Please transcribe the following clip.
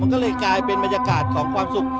ก็เลยกลายเป็นบรรยากาศของความสุข